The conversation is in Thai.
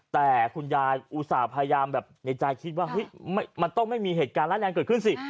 แต่คุณยายอุตส่าห์พยายามแบบในใจคิดว่ามันต้องไม่มีเหตุการณ์ร้ายแรงเกิดขึ้นสิ